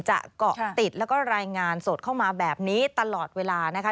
เกาะติดแล้วก็รายงานสดเข้ามาแบบนี้ตลอดเวลานะคะ